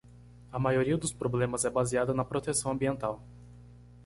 A maioria dos problemas é baseada na proteção ambiental.